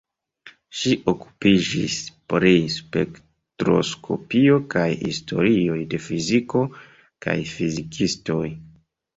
Ŝi okupiĝis pri spektroskopio kaj historioj de fiziko kaj fizikistoj.